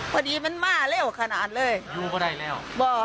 พอดีมันมาเร็วขนาดเลยอยู่ก็ได้แล้ว